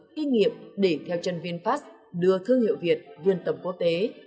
kinh nghiệm để theo chân vinfast đưa thương hiệu việt vươn tầm quốc tế